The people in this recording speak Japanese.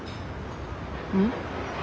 うん？